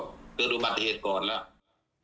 เดี๋ยวดูบัตรเหตุก่อนแล้ว